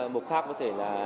một khác có thể là